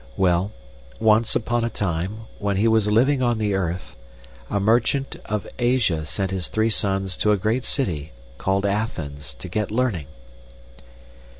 Well, once upon a time, when he was living on the earth, a merchant of Asia sent his three sons to a great city, called Athens, to get learning."